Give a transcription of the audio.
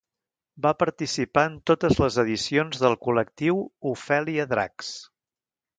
Va participar en totes les edicions del col·lectiu Ofèlia Dracs.